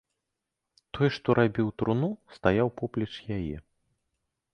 Той, што рабіў труну, стаяў поплеч яе.